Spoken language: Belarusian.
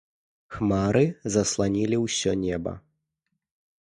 Хмары засланілі ўсё неба.